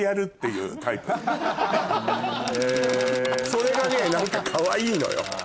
それがね何かかわいいのよ。